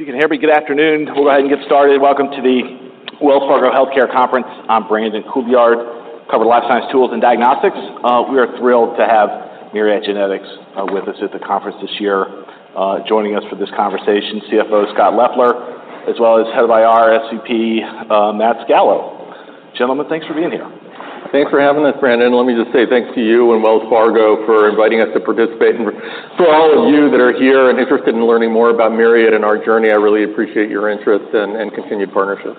If you can hear me, good afternoon. We'll go ahead and get started. Welcome to the Wells Fargo Healthcare Conference. I'm Brandon Couillard, cover life science, tools, and diagnostics. We are thrilled to have Myriad Genetics with us at the conference this year. Joining us for this conversation, CFO, Scott Leffler, as well as Head of IR, SVP, Matt Scalo. Gentlemen, thanks for being here. Thanks for having us, Brandon. Let me just say thanks to you and Wells Fargo for inviting us to participate. And for all of you that are here and interested in learning more about Myriad and our journey, I really appreciate your interest and continued partnership.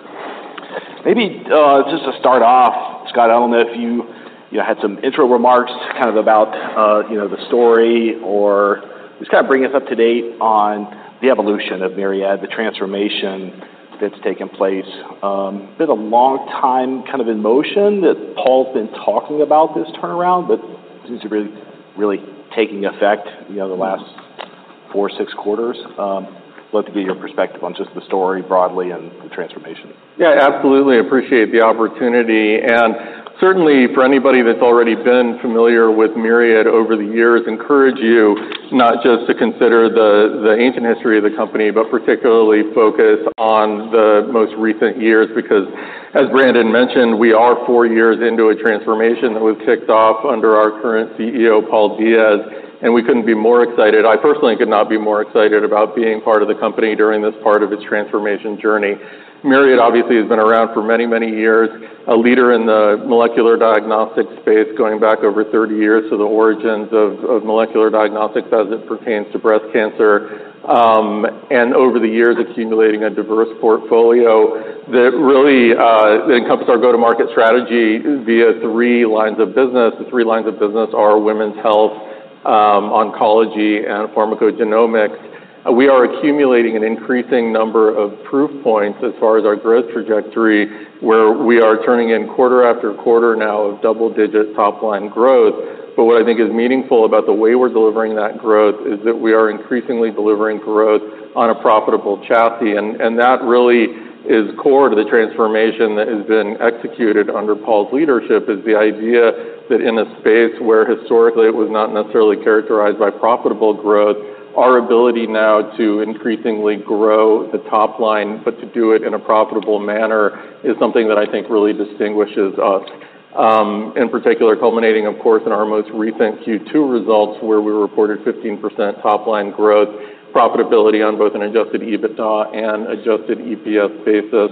Maybe, just to start off, Scott, I don't know if you had some intro remarks kind of about, you know, the story, or just kind of bring us up to date on the evolution of Myriad, the transformation that's taken place. Been a long time kind of in motion that Paul's been talking about this turnaround, but seems to be really taking effect, you know, the last four, six quarters. Love to get your perspective on just the story broadly and the transformation. Yeah, absolutely. Appreciate the opportunity. And certainly, for anybody that's already been familiar with Myriad over the years, encourage you not just to consider the ancient history of the company, but particularly focus on the most recent years. Because, as Brandon mentioned, we are four years into a transformation that was kicked off under our current CEO, Paul Diaz, and we couldn't be more excited. I personally could not be more excited about being part of the company during this part of its transformation journey. Myriad obviously has been around for many, many years, a leader in the molecular diagnostics space, going back over 30 years to the origins of molecular diagnostics as it pertains to breast cancer. And over the years, accumulating a diverse portfolio that really encompasses our go-to-market strategy via three lines of business. The three lines of business are women's health, oncology, and pharmacogenomics. We are accumulating an increasing number of proof points as far as our growth trajectory, where we are turning in quarter-after-quarter now of double-digit top-line growth. But what I think is meaningful about the way we're delivering that growth is that we are increasingly delivering growth on a profitable chassis. And that really is core to the transformation that has been executed under Paul's leadership, is the idea that in a space where historically it was not necessarily characterized by profitable growth, our ability now to increasingly grow the top line, but to do it in a profitable manner, is something that I think really distinguishes us. In particular, culminating, of course, in our most recent Q2 results, where we reported 15% top-line growth, profitability on both an Adjusted EBITDA and Adjusted EPS basis.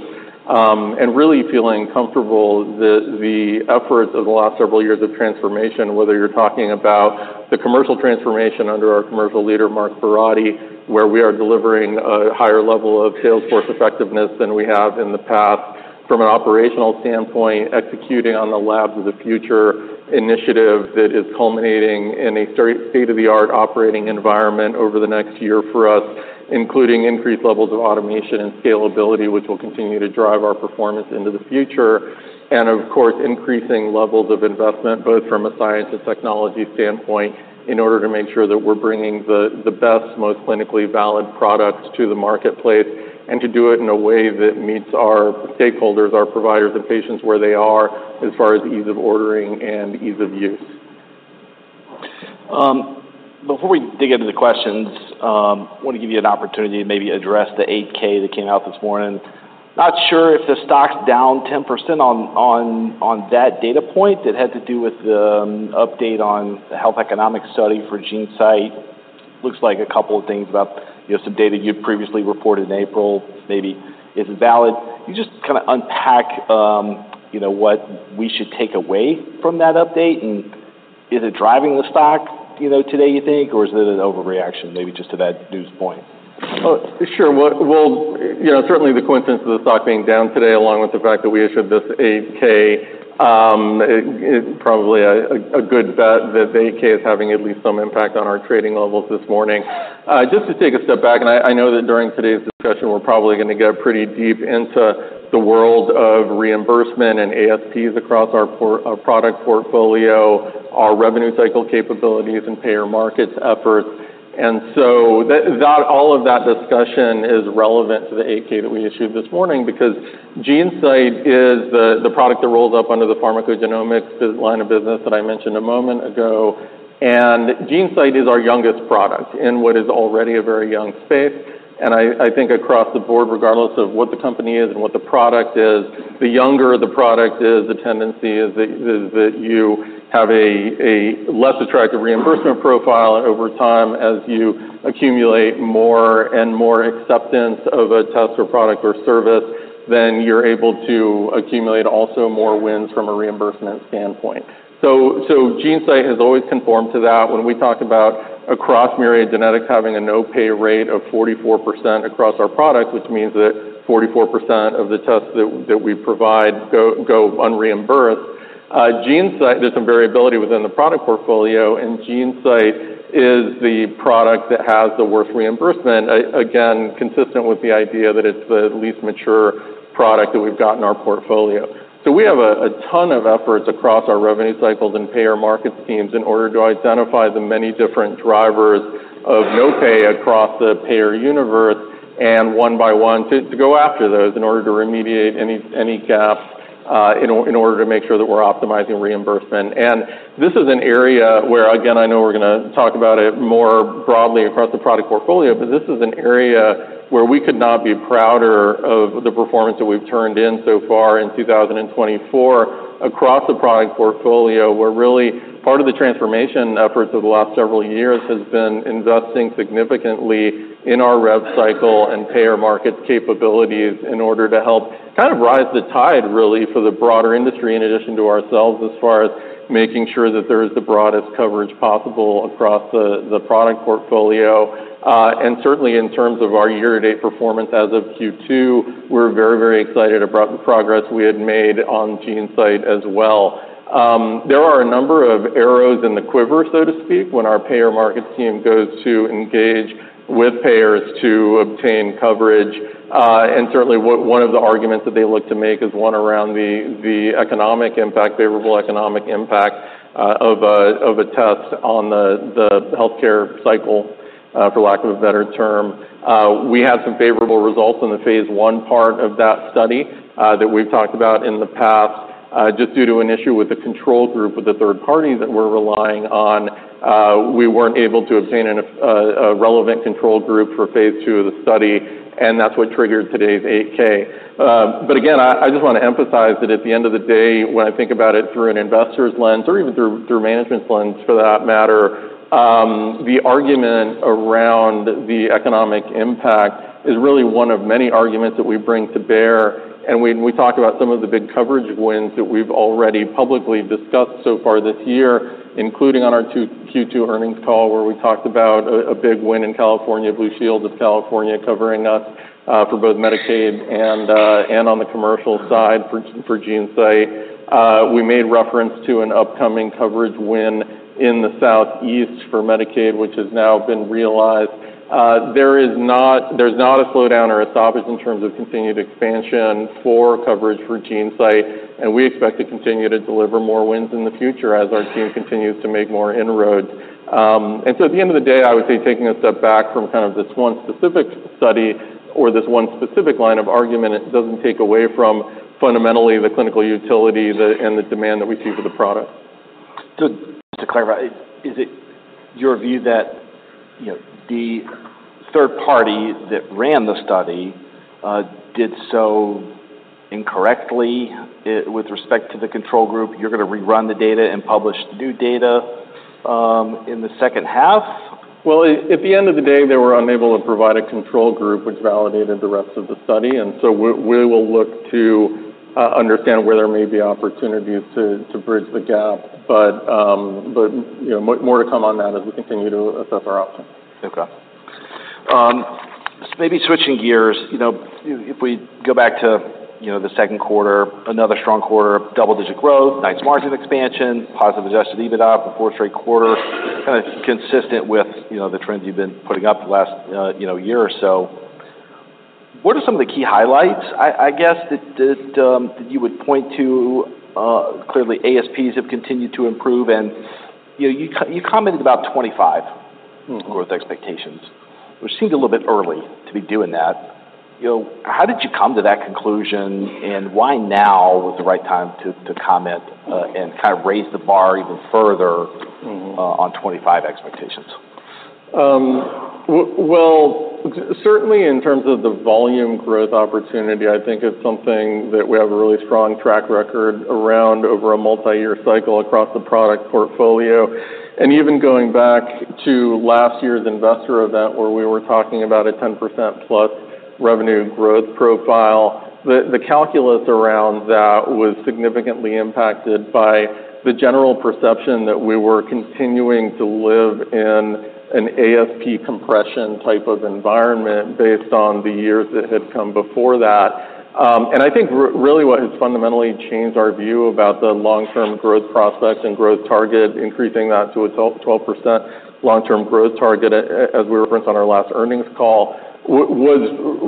And really feeling comfortable that the efforts of the last several years of transformation, whether you're talking about the commercial transformation under our commercial leader, Mark Verratti, where we are delivering a higher level of sales force effectiveness than we have in the past. From an operational standpoint, executing on the Lab of the Future initiative that is culminating in a state-of-the-art operating environment over the next year for us, including increased levels of automation and scalability, which will continue to drive our performance into the future. Of course, increasing levels of investment, both from a science and technology standpoint, in order to make sure that we're bringing the best, most clinically valid products to the marketplace, and to do it in a way that meets our stakeholders, our providers, and patients where they are, as far as ease of ordering and ease of use. Before we dig into the questions, I want to give you an opportunity to maybe address the 8-K that came out this morning. Not sure if the stock's down 10% on that data point. It had to do with the update on the health economic study for GeneSight. Looks like a couple of things about, you know, some data you'd previously reported in April maybe isn't valid. Can you just kind of unpack, you know, what we should take away from that update? And is it driving the stock, you know, today, you think, or is it an overreaction, maybe just to that news point? Sure. Well, you know, certainly the coincidence of the stock being down today, along with the fact that we issued this 8-K, it probably a good bet that the 8-K is having at least some impact on our trading levels this morning. Just to take a step back, and I know that during today's discussion, we're probably going to get pretty deep into the world of reimbursement and ASPs across our product portfolio, our revenue cycle capabilities and payer markets efforts. And so that all of that discussion is relevant to the 8-K that we issued this morning, because GeneSight is the product that rolls up under the pharmacogenomics line of business that I mentioned a moment ago. And GeneSight is our youngest product in what is already a very young space. And I think across the board, regardless of what the company is and what the product is, the younger the product is, the tendency is that you have a less attractive reimbursement profile over time as you accumulate more and more acceptance of a test, or product, or service, then you're able to accumulate also more wins from a reimbursement standpoint. So GeneSight has always conformed to that. When we talk about across Myriad Genetics, having a no-pay rate of 44% across our products, which means that 44% of the tests that we provide go un-reimbursed. GeneSight, there's some variability within the product portfolio, and GeneSight is the product that has the worst reimbursement. Again, consistent with the idea that it's the least mature product that we've got in our portfolio. So we have a ton of efforts across our revenue cycles and payer markets teams in order to identify the many different drivers of no-pay across the payer universe, and one by one, to go after those in order to remediate any gaps in order to make sure that we're optimizing reimbursement. And this is an area where, again, I know we're gonna talk about it more broadly across the product portfolio, but this is an area where we could not be prouder of the performance that we've turned in so far in 2024 across the product portfolio. Where really, part of the transformation efforts of the last several years has been investing significantly in our rev cycle and payer market capabilities in order to help kind of raise the tide, really, for the broader industry, in addition to ourselves, as far as making sure that there is the broadest coverage possible across the product portfolio. Certainly, in terms of our year-to-date performance as of Q2, we're very, very excited about the progress we had made on GeneSight as well. There are a number of arrows in the quiver, so to speak, when our payer markets team goes to engage with payers to obtain coverage. And certainly, one of the arguments that they look to make is one around the favorable economic impact of a test on the healthcare cycle, for lack of a better term. We had some favorable results in the phase I part of that study that we've talked about in the past. Just due to an issue with the control group with a third party that we're relying on, we weren't able to obtain a relevant control group for phase II of the study, and that's what triggered today's 8-K. But again, I just wanna emphasize that at the end of the day, when I think about it through an investor's lens, or even through management's lens, for that matter, the argument around the economic impact is really one of many arguments that we bring to bear. And when we talk about some of the big coverage wins that we've already publicly discussed so far this year, including on our 2Q earnings call, where we talked about a big win in California, Blue Shield of California covering us for both Medicaid and on the commercial side for GeneSight. We made reference to an upcoming coverage win in the Southeast for Medicaid, which has now been realized. There's not a slowdown or a stop in terms of continued expansion for coverage for GeneSight, and we expect to continue to deliver more wins in the future as our team continues to make more inroads. And so at the end of the day, I would say, taking a step back from kind of this one specific study or this one specific line of argument, it doesn't take away from, fundamentally, the clinical utility and the demand that we see for the product. So just to clarify, is it your view that, you know, the third party that ran the study, did so incorrectly, with respect to the control group? You're gonna rerun the data and publish the new data, in the second half? At the end of the day, they were unable to provide a control group, which validated the rest of the study, and so we will look to understand where there may be opportunities to bridge the gap, but you know, more to come on that as we continue to assess our options. Okay. Maybe switching gears, you know, if we go back to, you know, the second quarter, another strong quarter of double-digit growth, nice margin expansion, positive Adjusted EBITDA for fourth straight quarter, kind of consistent with, you know, the trends you've been putting up the last, you know, year or so. What are some of the key highlights, I guess, that you would point to? Clearly, ASPs have continued to improve, and, you know, you commented about 2025 growth expectations, which seemed a little bit early to be doing that. You know, how did you come to that conclusion? And why now was the right time to comment, and kind of raise the bar even further on 2025 expectations? Well, certainly, in terms of the volume growth opportunity, I think it's something that we have a really strong track record around over a multiyear cycle across the product portfolio. And even going back to last year's investor event, where we were talking about a 10% plus revenue growth profile, the calculus around that was significantly impacted by the general perception that we were continuing to live in an ASP compression type of environment, based on the years that had come before that. And I think really what has fundamentally changed our view about the long-term growth prospects and growth target, increasing that to a 12% long-term growth target, as we referenced on our last earnings call, was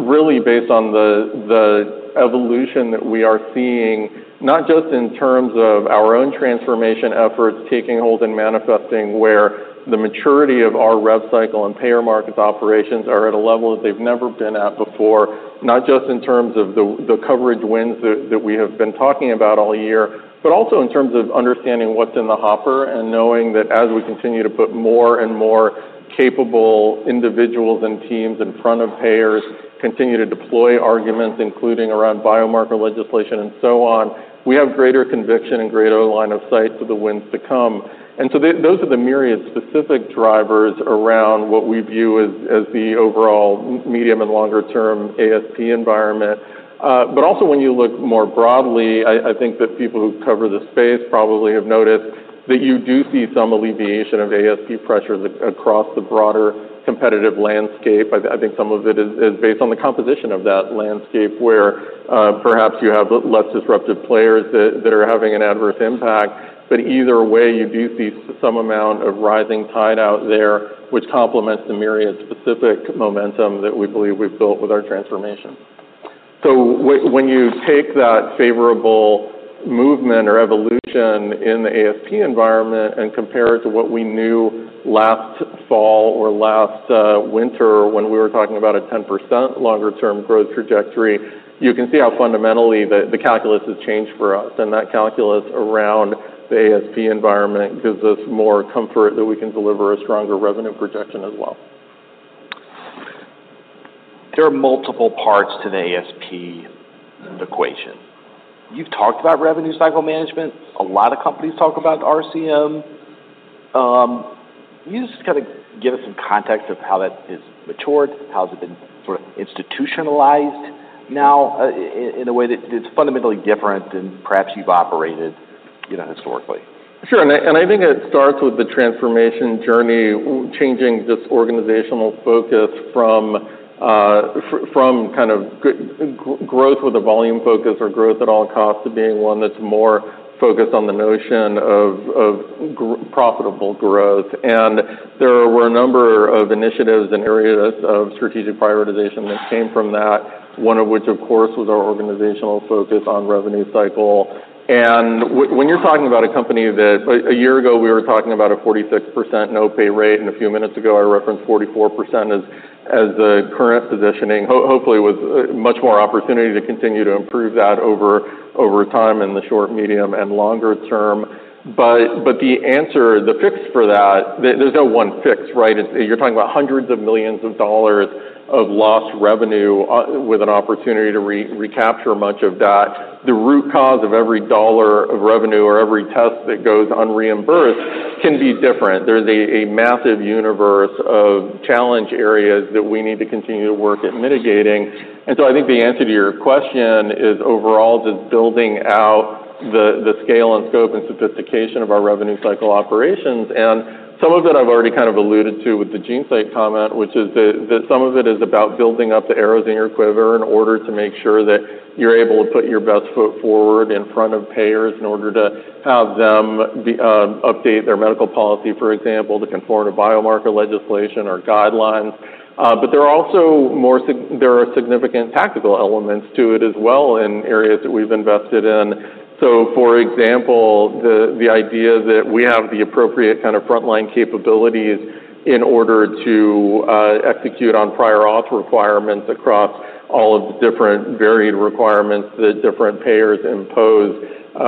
really based on the evolution that we are seeing, not just in terms of our own transformation efforts taking hold and manifesting, where the maturity of our rev cycle and payer markets operations are at a level that they've never been at before. Not just in terms of the coverage wins that we have been talking about all year, but also in terms of understanding what's in the hopper and knowing that as we continue to put more and more capable individuals and teams in front of payers, continue to deploy arguments, including around biomarker legislation and so on, we have greater conviction and greater line of sight to the wins to come. And so those are the myriad specific drivers around what we view as the overall medium and longer term ASP environment. But also when you look more broadly, I think that people who cover the space probably have noticed that you do see some alleviation of ASP pressures across the broader competitive landscape. I think some of it is based on the composition of that landscape, where perhaps you have less disruptive players that are having an adverse impact, but either way, you do see some amount of rising tide out there, which complements the Myriad-specific momentum that we believe we've built with our transformation, so when you take that favorable movement or evolution in the ASP environment and compare it to what we knew last fall or last winter, when we were talking about a 10% longer-term growth trajectory, you can see how fundamentally the calculus has changed for us, and that calculus around the ASP environment gives us more comfort that we can deliver a stronger revenue projection as well. There are multiple parts to the ASP equation. You've talked about revenue cycle management. A lot of companies talk about RCM. Can you just kind of give us some context of how that has matured? How has it been sort of institutionalized now, in a way that is fundamentally different than perhaps you've operated, you know, historically? Sure, and I think it starts with the transformation journey, changing this organizational focus from kind of growth with a volume focus or growth at all costs, to being one that's more focused on the notion of profitable growth. And there were a number of initiatives and areas of strategic prioritization that came from that, one of which, of course, was our organizational focus on revenue cycle. And when you're talking about a company that a year ago, we were talking about a 46% no-pay rate, and a few minutes ago, I referenced 44% as the current positioning, hopefully, with much more opportunity to continue to improve that over time in the short, medium, and longer term. But the answer, the fix for that, there's no one fix, right? You're talking about hundreds of millions of dollars of lost revenue with an opportunity to recapture much of that. The root cause of every dollar of revenue or every test that goes unreimbursed can be different. There's a massive universe of challenge areas that we need to continue to work at mitigating, and so I think the answer to your question is, overall, just building out the scale and scope and sophistication of our revenue cycle operations, and some of it I've already kind of alluded to with the GeneSight comment, which is that some of it is about building up the arrows in your quiver in order to make sure that you're able to put your best foot forward in front of payers, in order to have them update their medical policy, for example, to conform to biomarker legislation or guidelines. But there are significant tactical elements to it as well, in areas that we've invested in. So for example, the idea that we have the appropriate kind of frontline capabilities in order to execute on prior auth requirements across all of the different varied requirements that different payers impose.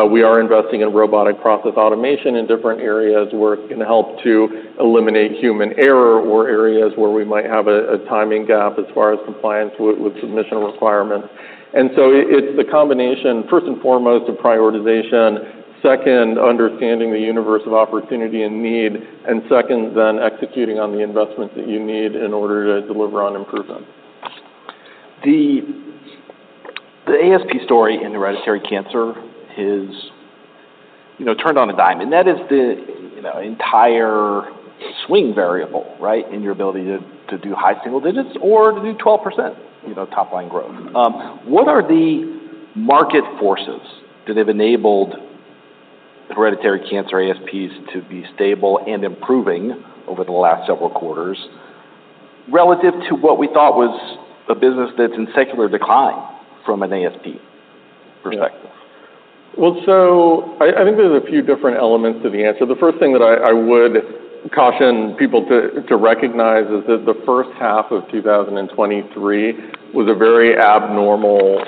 We are investing in robotic process automation in different areas, where it can help to eliminate human error or areas where we might have a timing gap as far as compliance with submission requirements. And so it's the combination, first and foremost, of prioritization, second, understanding the universe of opportunity and need, and second, then executing on the investments that you need in order to deliver on improvement. The ASP story in hereditary cancer has, you know, turned on a dime, and that is the, you know, entire swing variable, right, in your ability to do high single digits or to do 12%, you know, top-line growth. What are the market forces that have enabled hereditary cancer ASPs to be stable and improving over the last several quarters, relative to what we thought was a business that's in secular decline from an ASP perspective? Well, so I think there's a few different elements to the answer. The first thing that I would caution people to recognize is that the first half of 2023 was a very abnormal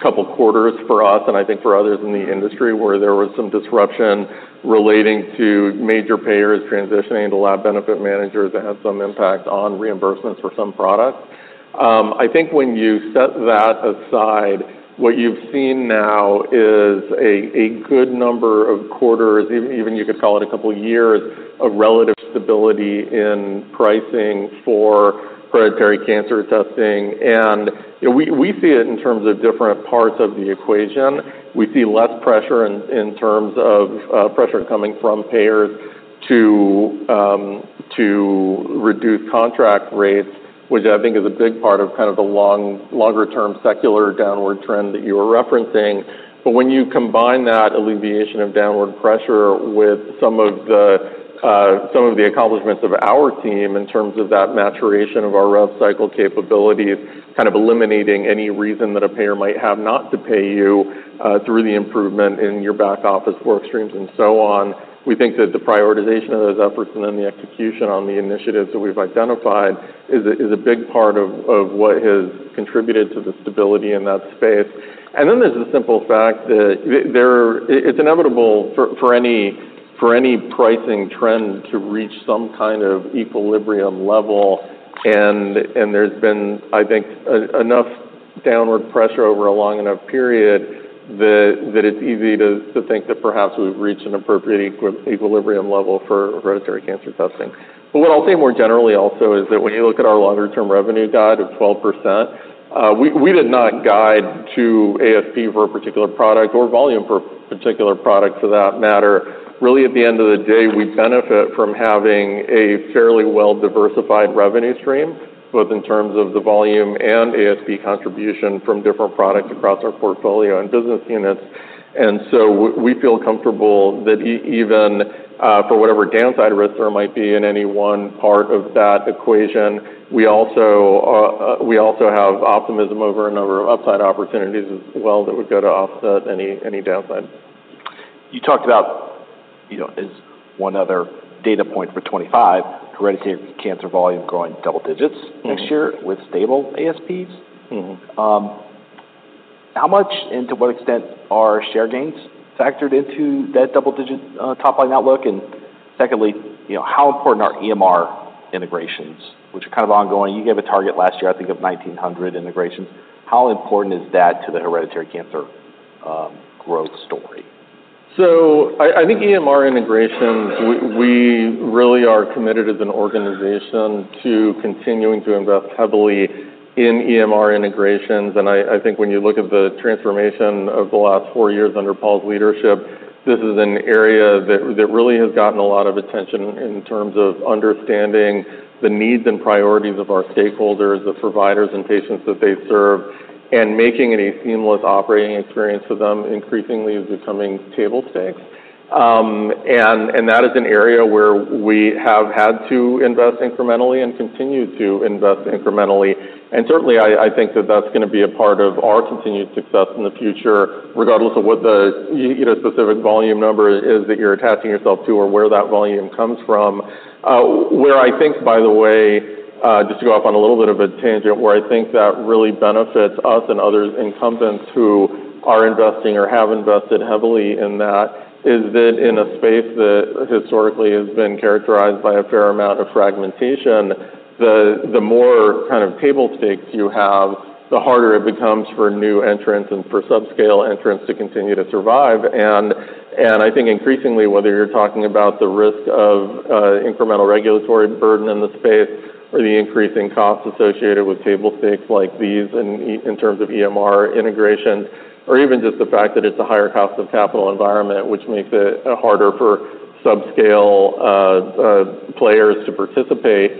couple quarters for us, and I think for others in the industry, where there was some disruption relating to major payers transitioning to lab benefit managers that had some impact on reimbursements for some products. I think when you set that aside, what you've seen now is a good number of quarters, even you could call it a couple of years, of relative stability in pricing for hereditary cancer testing, and you know we see it in terms of different parts of the equation. We see less pressure in terms of pressure coming from payers to reduce contract rates, which I think is a big part of kind of the longer-term secular downward trend that you were referencing. But when you combine that alleviation of downward pressure with some of the accomplishments of our team in terms of that maturation of our rev cycle capabilities, kind of eliminating any reason that a payer might have not to pay you through the improvement in your back-office work streams and so on, we think that the prioritization of those efforts and then the execution on the initiatives that we've identified is a big part of what has contributed to the stability in that space. And then there's the simple fact that there. It's inevitable for any pricing trend to reach some kind of equilibrium level, and there's been, I think, enough downward pressure over a long enough period that it's easy to think that perhaps we've reached an appropriate equilibrium level for hereditary cancer testing. But what I'll say more generally also is that when you look at our longer-term revenue guide of 12%, we did not guide to ASP for a particular product or volume for a particular product, for that matter. Really, at the end of the day, we benefit from having a fairly well-diversified revenue stream, both in terms of the volume and ASP contribution from different products across our portfolio and business units.... And so we feel comfortable that even for whatever downside risks there might be in any one part of that equation, we also have optimism over a number of upside opportunities as well that would go to offset any downside. You talked about, you know, as one other data point for 2025, hereditary cancer volume growing double digits next year with stable ASPs. How much and to what extent are share gains factored into that double-digit top-line outlook? And secondly, you know, how important are EMR integrations, which are kind of ongoing? You gave a target last year, I think, of 1,900 integrations. How important is that to the hereditary cancer growth story? So I think EMR integrations, we really are committed as an organization to continuing to invest heavily in EMR integrations. And I think when you look at the transformation of the last four years under Paul's leadership, this is an area that really has gotten a lot of attention in terms of understanding the needs and priorities of our stakeholders, the providers and patients that they serve, and making it a seamless operating experience for them increasingly is becoming table stakes. And that is an area where we have had to invest incrementally and continue to invest incrementally. And certainly, I think that that's gonna be a part of our continued success in the future, regardless of what the, you know, specific volume number is that you're attaching yourself to or where that volume comes from. Where I think, by the way, just to go off on a little bit of a tangent, where I think that really benefits us and other incumbents who are investing or have invested heavily in that, is that in a space that historically has been characterized by a fair amount of fragmentation, the more kind of table stakes you have, the harder it becomes for new entrants and for subscale entrants to continue to survive. I think increasingly, whether you're talking about the risk of incremental regulatory burden in the space or the increasing costs associated with table stakes like these in terms of EMR integration, or even just the fact that it's a higher cost of capital environment, which makes it harder for subscale players to participate,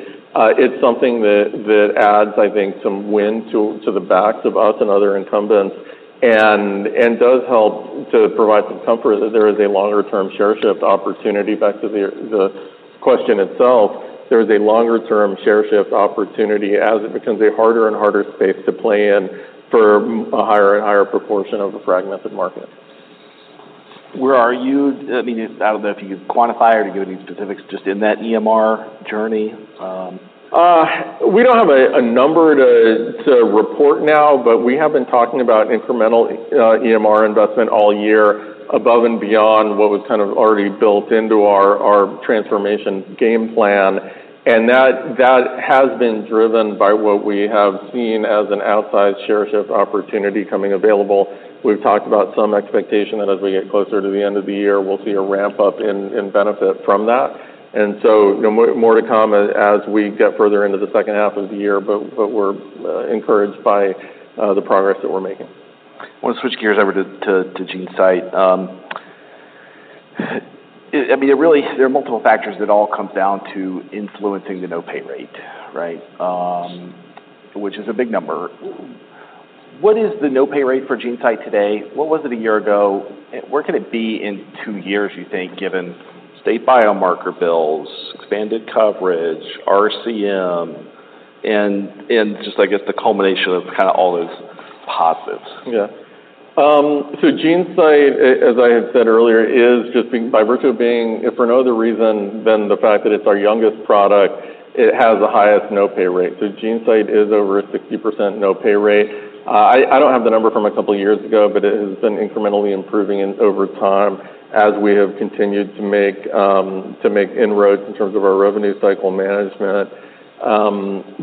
it's something that adds, I think, some wind to the backs of us and other incumbents, and does help to provide some comfort that there is a longer-term share shift opportunity. Back to the question itself, there is a longer-term share shift opportunity as it becomes a harder and harder space to play in for a higher and higher proportion of the fragmented market. Where are you? I mean, I don't know if you can quantify or give any specifics just in that EMR journey. We don't have a number to report now, but we have been talking about incremental EMR investment all year, above and beyond what was kind of already built into our transformation game plan. That has been driven by what we have seen as an outside share shift opportunity coming available. We've talked about some expectation that as we get closer to the end of the year, we'll see a ramp-up in benefit from that. So, you know, more to come as we get further into the second half of the year, but we're encouraged by the progress that we're making. I want to switch gears over to GeneSight. I mean, really, there are multiple factors that all comes down to influencing the no-pay rate, right? Which is a big number. What is the no-pay rate for GeneSight today? What was it a year ago? Where can it be in two years, you think, given state biomarker bills, expanded coverage, RCM, and just, I guess, the culmination of kind of all those positives? Yeah. So GeneSight, as I had said earlier, is just being by virtue of being, if for no other reason than the fact that it's our youngest product, it has the highest no-pay rate. So GeneSight is over 60% no-pay rate. I don't have the number from a couple of years ago, but it has been incrementally improving over time as we have continued to make inroads in terms of our revenue cycle management.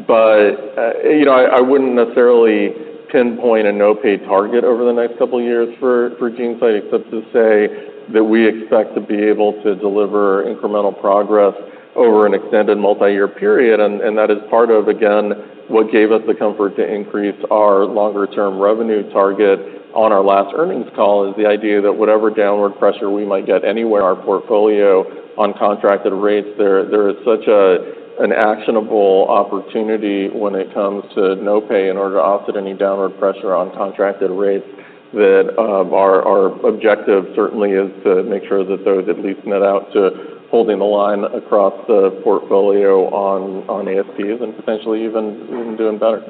But you know, I wouldn't necessarily pinpoint a no-pay target over the next couple of years for GeneSight, except to say that we expect to be able to deliver incremental progress over an extended multi-year period. That is part of, again, what gave us the comfort to increase our longer-term revenue target on our last earnings call. It is the idea that whatever downward pressure we might get anywhere in our portfolio on contracted rates, there is such an actionable opportunity when it comes to no-pay in order to offset any downward pressure on contracted rates, that our objective certainly is to make sure that those at least net out to holding the line across the portfolio on ASPs and potentially even doing better.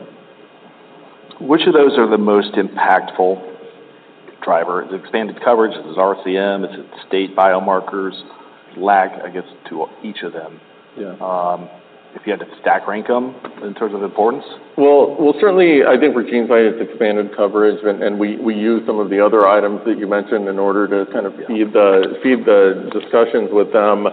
Which of those are the most impactful driver? Is it expanded coverage, is it RCM, is it state biomarkers? Lag, I guess, to each of them if you had to stack rank them in terms of importance? Certainly, I think for GeneSight, it's expanded coverage, and we use some of the other items that you mentioned in order to kind of feed the discussions with them.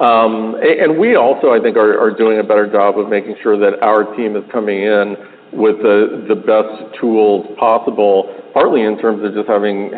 And we also, I think, are doing a better job of making sure that our team is coming in with the best tools possible, partly in terms of just having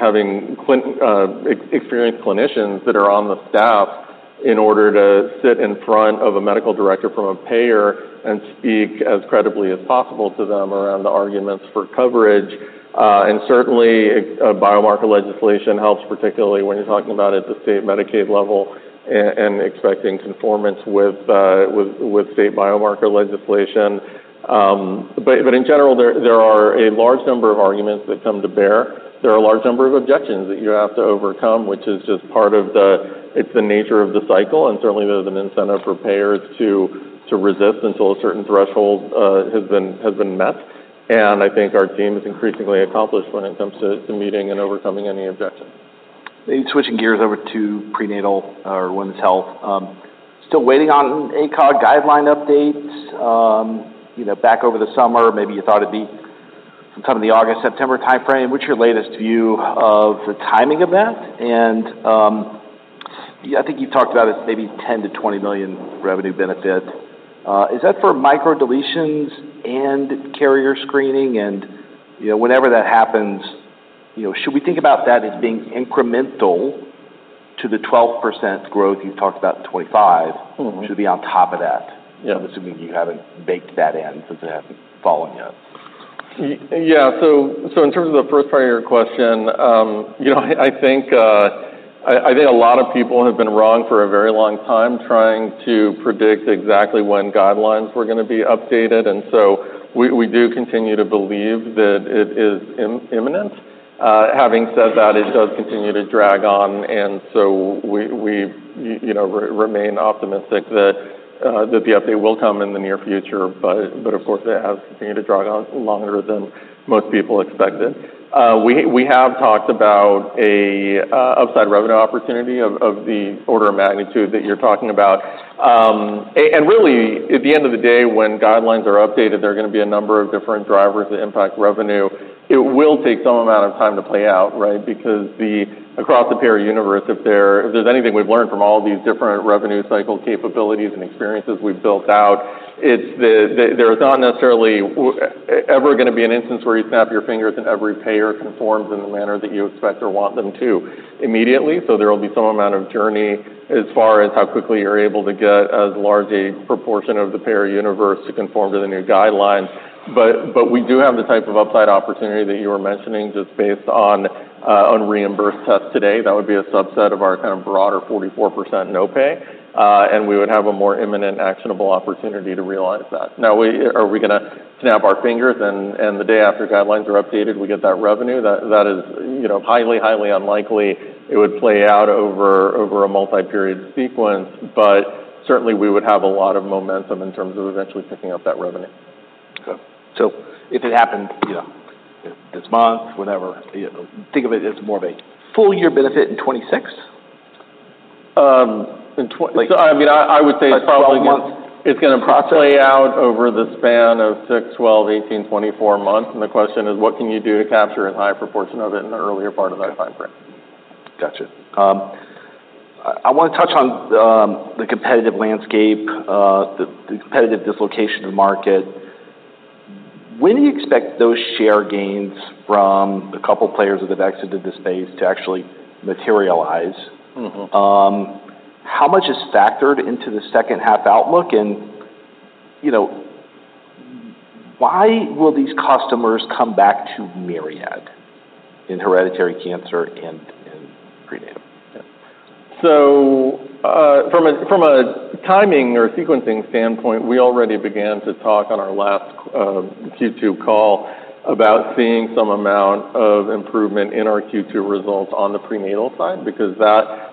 experienced clinicians that are on the staff in order to sit in front of a medical director from a payer and speak as credibly as possible to them around the arguments for coverage. And certainly, biomarker legislation helps, particularly when you're talking about at the state Medicaid level and expecting conformance with state biomarker legislation. But in general, there are a large number of arguments that come to bear. There are a large number of objections that you have to overcome, which is just part of the. It's the nature of the cycle, and certainly, there's an incentive for payers to resist until a certain threshold has been met. And I think our team is increasingly accomplished when it comes to meeting and overcoming any objection. Switching gears over to prenatal or women's health. Still waiting on ACOG guideline updates. You know, back over the summer, maybe you thought it'd be sometime in the August, September timeframe. What's your latest view of the timing of that? And, I think you talked about it maybe $10 million-$20 million revenue benefit. Is that for microdeletions and carrier screening? And, you know, whenever that happens, you know, should we think about that as being incremental to the 12% growth you've talked about in 2025 should it be on top of that? I'm assuming you haven't baked that in since it hasn't fallen yet. Yeah. So in terms of the first part of your question, you know, I think a lot of people have been wrong for a very long time trying to predict exactly when guidelines were gonna be updated, and so we do continue to believe that it is imminent. Having said that, it does continue to drag on, and so we, you know, remain optimistic that that the update will come in the near future, but of course, it has continued to drag on longer than most people expected. We have talked about a upside revenue opportunity of the order of magnitude that you're talking about. And really, at the end of the day, when guidelines are updated, there are gonna be a number of different drivers that impact revenue. It will take some amount of time to play out, right? Because across the payer universe, if there's anything we've learned from all these different revenue cycle capabilities and experiences we've built out, it's that there's not necessarily ever gonna be an instance where you snap your fingers and every payer conforms in the manner that you expect or want them to immediately. So there will be some amount of journey as far as how quickly you're able to get as large a proportion of the payer universe to conform to the new guidelines. But we do have the type of upside opportunity that you were mentioning, just based on unreimbursed tests today. That would be a subset of our kind of broader 44% no pay, and we would have a more imminent, actionable opportunity to realize that. Now, are we gonna snap our fingers and the day after guidelines are updated, we get that revenue? That is, you know, highly unlikely. It would play out over a multi-period sequence, but certainly, we would have a lot of momentum in terms of eventually picking up that revenue. Okay. So if it happened, you know, this month, whatever, you know, think of it as more of a full year benefit in 2026? Um, in 20- Like- I mean, I would say- Like, 12 months. It's probably gonna play out over the span of six, 12, 18, 24 months, and the question is, what can you do to capture a high proportion of it in the earlier part of that timeframe? Gotcha. I want to touch on the competitive landscape, the competitive dislocation of the market. When do you expect those share gains from the couple players that have exited the space to actually materialize? How much is factored into the second half outlook? And, you know, why will these customers come back to Myriad in hereditary cancer and in prenatal? So, from a timing or sequencing standpoint, we already began to talk on our last Q2 call about seeing some amount of improvement in our Q2 results on the prenatal side, because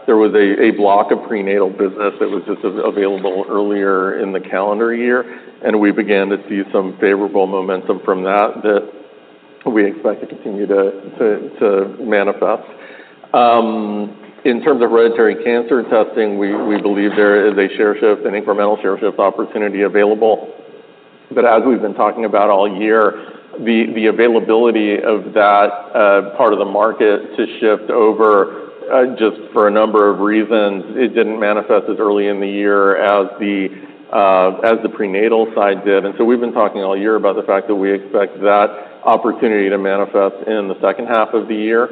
there was a block of prenatal business that was just available earlier in the calendar year, and we began to see some favorable momentum from that that we expect to continue to manifest. In terms of hereditary cancer testing, we believe there is a share shift, an incremental share shift opportunity available. But as we've been talking about all year, the availability of that part of the market to shift over just for a number of reasons, it didn't manifest as early in the year as the prenatal side did. And so we've been talking all year about the fact that we expect that opportunity to manifest in the second half of the year,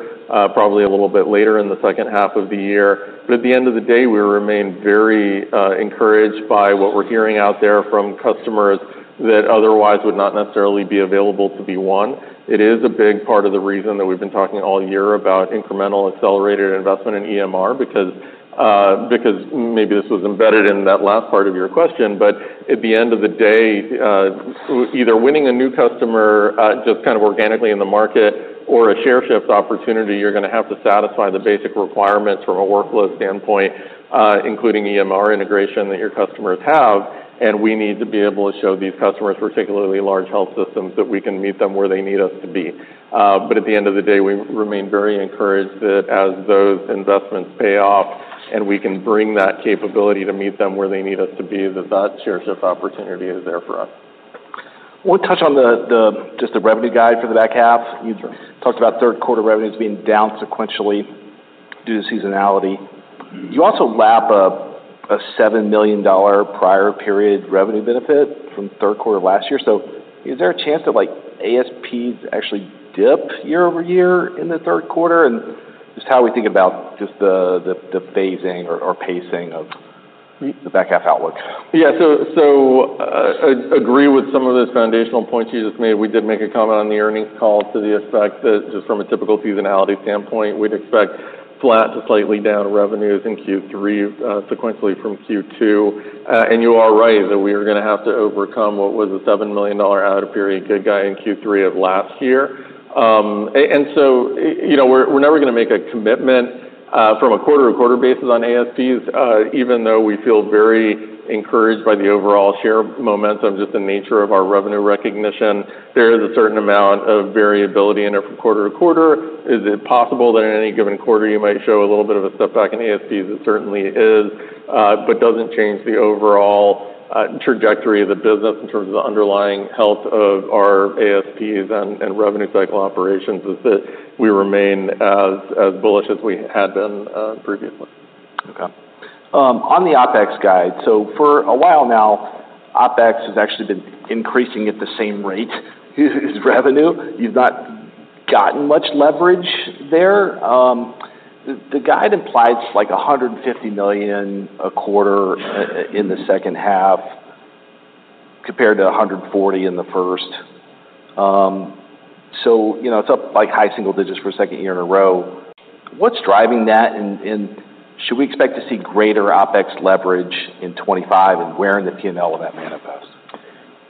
probably a little bit later in the second half of the year. But at the end of the day, we remain very encouraged by what we're hearing out there from customers that otherwise would not necessarily be available to be one. It is a big part of the reason that we've been talking all year about incremental accelerated investment in EMR, because, because maybe this was embedded in that last part of your question, but at the end of the day, either winning a new customer, just kind of organically in the market or a share shift opportunity, you're gonna have to satisfy the basic requirements from a workload standpoint, including EMR integration that your customers have, and we need to be able to show these customers, particularly large health systems, that we can meet them where they need us to be, but at the end of the day, we remain very encouraged that as those investments pay off and we can bring that capability to meet them where they need us to be, that that share shift opportunity is there for us. I want to touch on just the revenue guide for the back half. Sure. You talked about third quarter revenues being down sequentially due to seasonality. You also lap a $7 million prior period revenue benefit from the third quarter of last year. So is there a chance that, like, ASPs actually dip year-over-year in the third quarter? And just how we think about just the phasing or pacing of the back half outlook? Yeah, so agree with some of those foundational points you just made. We did make a comment on the earnings call to the effect that just from a typical seasonality standpoint, we'd expect flat to slightly down revenues in Q3 sequentially from Q2. And you are right that we are going to have to overcome what was a $7 million out-of-period good guy in Q3 of last year. And so you know, we're never going to make a commitment from a quarter-to-quarter basis on ASPs even though we feel very encouraged by the overall share momentum. Just the nature of our revenue recognition, there is a certain amount of variability in it from quarter to quarter. Is it possible that in any given quarter, you might show a little bit of a step back in ASPs? It certainly is, but doesn't change the overall trajectory of the business in terms of the underlying health of our ASPs and revenue cycle operations, is that we remain as bullish as we had been previously. Okay. On the OpEx guide, so for a while now, OpEx has actually been increasing at the same rate as revenue. You've not gotten much leverage there. The guide implies like $150 million a quarter in the second half compared to $140 million in the first. You know, it's up like high single digits for a second year in a row. What's driving that, and should we expect to see greater OpEx leverage in 2025, and where in the P&L will that manifest?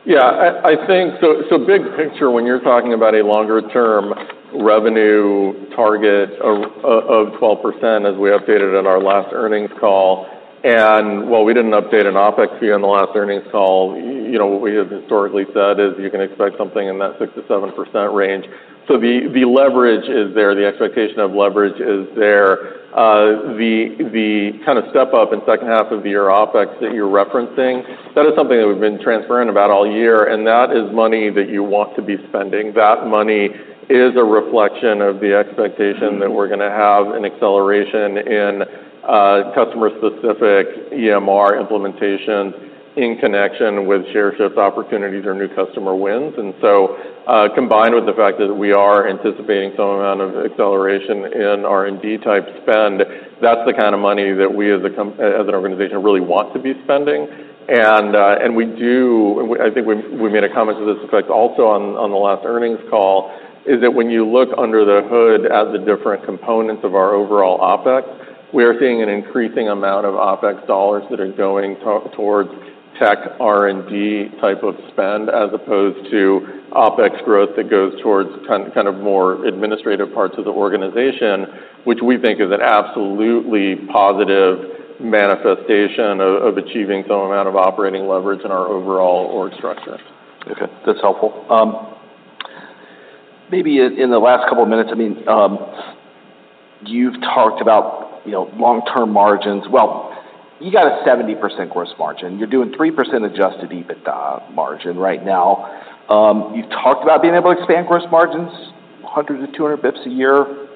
Yeah, I think so big picture, when you're talking about a longer-term revenue target of 12%, as we updated in our last earnings call, and while we didn't update an OpEx view on the last earnings call, you know, what we have historically said is you can expect something in that 6%-7% range. So the leverage is there, the expectation of leverage is there. The kind of step-up in second half of the year OpEx that you're referencing, that is something that we've been transparent about all year, and that is money that you want to be spending. That money is a reflection of the expectation that we're gonna have an acceleration in customer-specific EMR implementation in connection with share shift opportunities or new customer wins. Combined with the fact that we are anticipating some amount of acceleration in R&D-type spend, that's the kind of money that we, as an organization, really want to be spending. We do. I think we made a comment to this effect also on the last earnings call. That is, when you look under the hood at the different components of our overall OpEx, we are seeing an increasing amount of OpEx dollars that are going towards tech, R&D type of spend, as opposed to OpEx growth that goes towards kind of more administrative parts of the organization, which we think is an absolutely positive manifestation of achieving some amount of operating leverage in our overall org structure. Okay, that's helpful. Maybe in the last couple of minutes, I mean, you've talked about, you know, long-term margins. Well, you got a 70% gross margin. You're doing 3% adjusted EBITDA margin right now. You've talked about being able to expand gross margins 100 bps to 200 basis points a year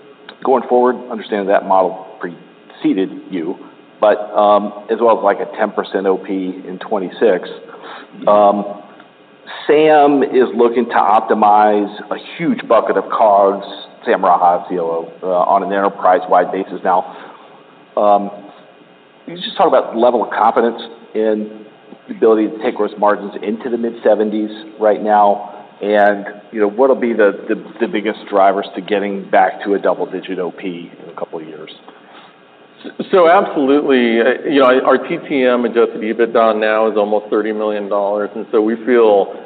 going forward. Understand that model preceded you, but, as well as, like, a 10% OP in 2026. Sam is looking to optimize a huge bucket of COGS, Sam Raha, the COO, on an enterprise-wide basis now. Can you just talk about the level of confidence in the ability to take gross margins into the mid-70s right now? You know, what'll be the biggest drivers to getting back to a double-digit OP in a couple of years? So absolutely. You know, our TTM-adjusted EBITDA now is almost $30 million, and so we feel.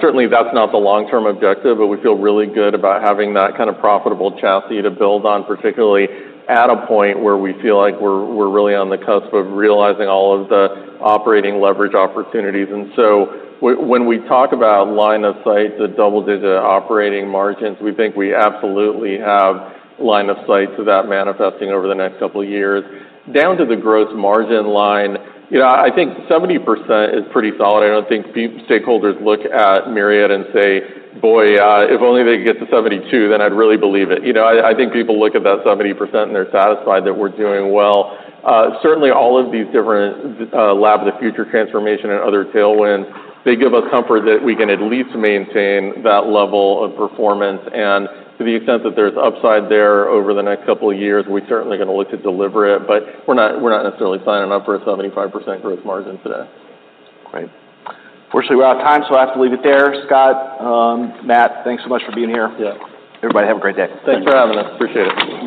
Certainly, that's not the long-term objective, but we feel really good about having that kind of profitable chassis to build on, particularly at a point where we feel like we're really on the cusp of realizing all of the operating leverage opportunities. And so when we talk about line of sight to double-digit operating margins, we think we absolutely have line of sight to that manifesting over the next couple of years. Down to the gross margin line, you know, I think 70% is pretty solid. I don't think stakeholders look at Myriad and say, "Boy, if only they get to 72, then I'd really believe it." You know, I think people look at that 70%, and they're satisfied that we're doing well. Certainly, all of these different Lab of the Future transformation and other tailwinds, they give us comfort that we can at least maintain that level of performance, and to the extent that there's upside there over the next couple of years, we're certainly gonna look to deliver it. But we're not, we're not necessarily signing up for a 75% gross margin today. Great. Unfortunately, we're out of time, so I have to leave it there. Scott, Matt, thanks so much for being here. Yeah. Everybody, have a great day. Thanks for having us. Appreciate it.